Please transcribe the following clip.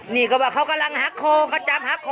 นี่ก็ว่าเขากำลังหักคอเขาจับหักคอ